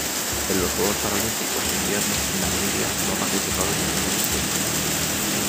En los Juegos Paralímpicos de Invierno Namibia no ha participado en ninguna edición.